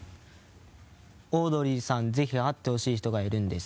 オードリーさん、ぜひ会ってほしい人がいるんです。